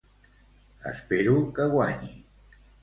Espero que guanyi.